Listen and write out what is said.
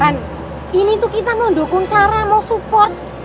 kan ini tuh kita mau dukung sarah mau support